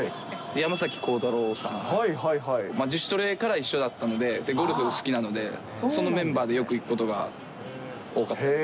山崎こうたろうさん、自主トレから一緒だったので、ゴルフお好きなので、そのメンバーでよく行くことが多かったですね。